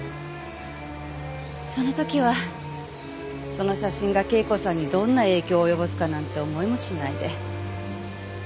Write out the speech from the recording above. その時はその写真が圭子さんにどんな影響を及ぼすかなんて思いもしないで。